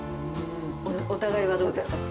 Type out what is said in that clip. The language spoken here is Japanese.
お互いはどうですか。